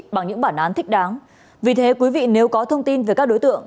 bằng những bản án thích đáng vì thế quý vị nếu có thông tin về các đối tượng